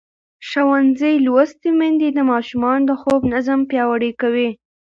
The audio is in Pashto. ښوونځې لوستې میندې د ماشومانو د خوب نظم پیاوړی کوي.